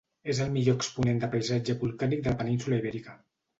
És el millor exponent de paisatge volcànic de la península Ibèrica.